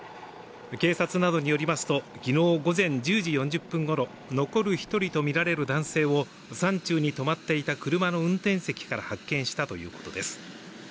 警察などによりますと昨日午前１０時４０分ごろ残る１人とみられる男性を山中に止まっていた車の運転席から発見したということです。